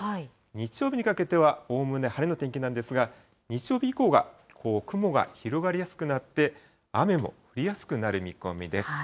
日曜日にかけてはおおむね晴れの天気なんですが、日曜日以降が雲が広がりやすくなって、雨も降りやすくなる見込みです。